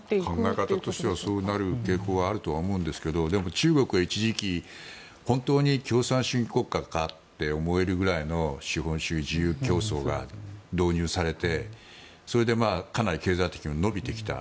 考え方としてはそうなる傾向にあると思うんですけど中国は一時期、本当に共産主義国家かと思えるぐらいの資本主義自由競争が導入されてそれでかなり経済が伸びてきた。